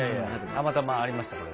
たまたまありましたこれ。